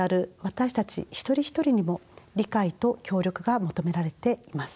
一人一人にも理解と協力が求められています。